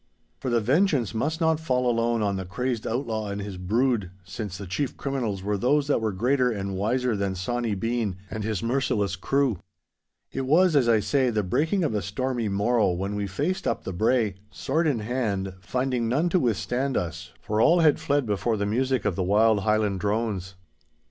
For the vengeance must not fall alone on the crazed outlaw and his brood, since the chief criminals were those that were greater and wiser than Sawny Bean and his merciless crew. It was, as I say, the breaking of a stormy morrow when we faced up the brae, sword in hand, finding none to withstand us, for all had fled before the music of the wild Highland drones.